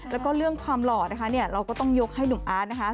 แล้วก็เรื่องความหล่อนะคะเราก็ต้องยกให้หนุ่มอาร์ตนะคะ